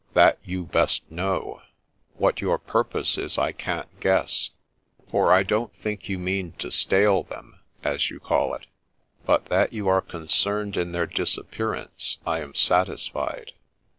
'' That you best know :— what your purpose is I can't guess, for I don't think you mean to ' stale " them, as you call it ; but that you are concerned in their disappearance, I am satisfied.